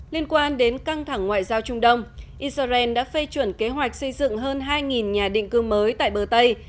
liên quan đến căng thẳng ngoại giao trung đông israel đã phê chuẩn kế hoạch xây dựng hơn hai nhà định cư mới tại bờ tây